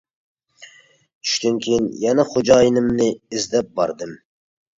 چۈشتىن كېيىن يەنە خوجايىنىمنى ئىزدەپ باردىم.